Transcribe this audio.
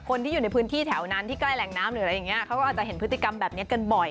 คนที่อยู่ในพื้นที่แถวนั้นที่ใกล้แหล่งน้ำหรืออะไรอย่างเงี้เขาก็อาจจะเห็นพฤติกรรมแบบนี้กันบ่อย